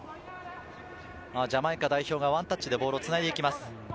ジャマイカ代表がワンタッチでボールをつないでいきます。